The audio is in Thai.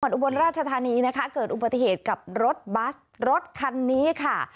จังหวัดอุบลราชธานีก็เกิดอุบัติเหตุกับรถคันนี้ค่ะ